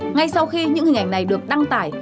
ngay sau khi những hình ảnh này được đăng tải